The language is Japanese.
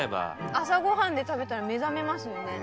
朝ご飯で食べたら目覚めますよね。